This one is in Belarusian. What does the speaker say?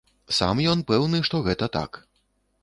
Сам ён пэўны, што гэта так.